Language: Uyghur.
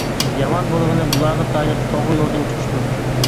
يامان بولغىنى بۇلارغا تايىنىپ توغرا يولدىن چىقىشتۇر.